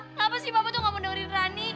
kenapa sih papa tuh gak mau dengerin rani